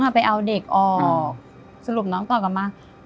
ไปเอาเด็กออกสรุปน้องตอบกลับมา